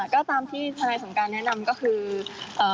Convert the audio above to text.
ก็ตามที่ธนายสงการแนะนำก็คือ